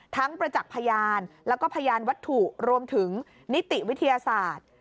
ประจักษ์พยานแล้วก็พยานวัตถุรวมถึงนิติวิทยาศาสตร์